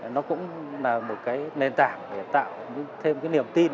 nó cũng là một cái nền tảng để tạo thêm cái niềm tin